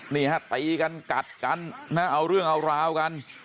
นี่ฮะตีกันกัดกันนะเอาเรื่องเอาราวกัน